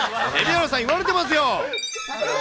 蛯原さん、言われてますよ！